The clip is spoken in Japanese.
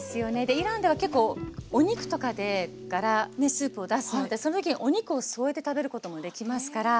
イランでは結構お肉とかでガラスープを出すのでその時にお肉を添えて食べることもできますから。